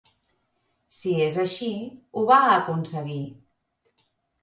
Si és així, ho va aconseguir.